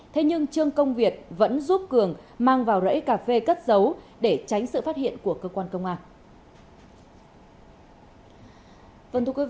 thế nhưng trương công việt vẫn giúp cường mang vào rẫy cà phê cất giấu để tránh sự phát hiện của cơ quan công an